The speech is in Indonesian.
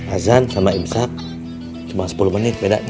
azan sama imsak cuma sepuluh menit bedanya